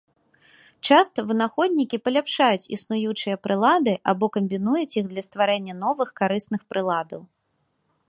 Часта вынаходнікі паляпшаюць існуючыя прылады або камбінуюць іх для стварэння новых карысных прыладаў.